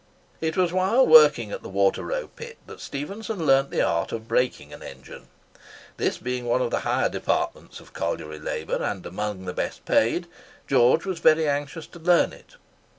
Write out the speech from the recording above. It was while working at the Water row Pit that Stephenson learnt the art of brakeing an engine. This being one of the higher departments of colliery labour, and among the best paid, George was very anxious to learn it.